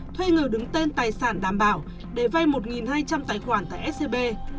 thuê người đứng tên tài sản đảm bảo để vay một hai trăm linh tài khoản tại scb